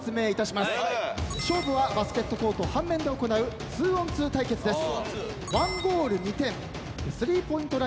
勝負はバスケットコート半面で行う２ｏｎ２対決です。